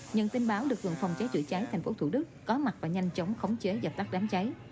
nhận tin báo lực lượng phòng cháy chữa cháy tp thủ đức có mặt và nhanh chóng khống chế dập tắt đám cháy